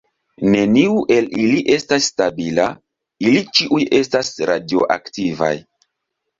Neniu el ili estas stabila; ili ĉiuj estas radioaktivaj.